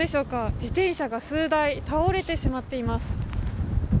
自転車が数台、倒れてしまっています。